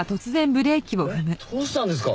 どうしたんですか？